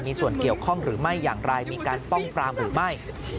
มีส่วนเกี่ยวข้องหรือไม่อย่างไรมีการป้องปรามหรือไม่